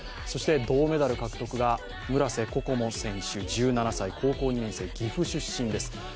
そして銅メダル獲得が村瀬心椛選手１７歳、高校２年生、岐阜出身です。